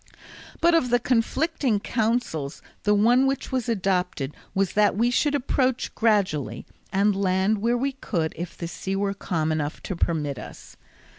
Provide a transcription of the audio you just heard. But of the conflicting counsels the one which was adopted was that we should approach gradually, and land where we could if the sea were calm enough to permit us.